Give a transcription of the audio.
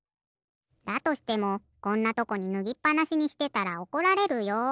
だとしてもこんなとこにぬぎっぱなしにしてたらおこられるよ。